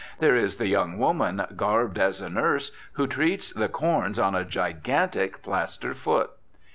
There is the young woman garbed as a nurse who treats the corns on a gigantic plaster foot.